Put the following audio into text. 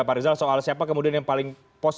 pak rizal soal siapa kemudian yang paling pos